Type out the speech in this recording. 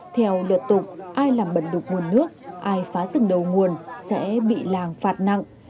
theo luật tụng ai làm bẩn đục nguồn nước ai phá rừng đầu nguồn sẽ bị làng phạt nặng